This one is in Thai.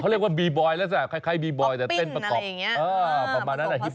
เขาเรียกว่าบีบอยล่ะแสดงคล้ายบีบอยแต่เต้นประกอบปิ้นอะไรอย่างเงี้ย